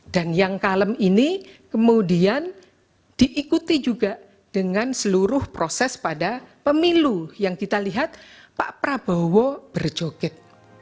dan yang kalem ini kemudian diikuti juga dengan seluruh proses pada pemilu yang kita lihat pak prabowo berjoget